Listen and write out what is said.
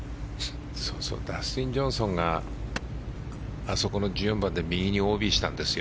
ダスティン・ジョンソンがあそこの１４番で右にＯＢしたんですよ。